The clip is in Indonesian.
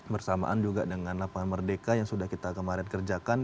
bersamaan juga dengan lapangan merdeka yang sudah kita kemarin kerjakan